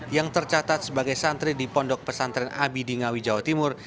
yang tercatat sebagai santri di pondok pesantren abi di ngawi jawa timur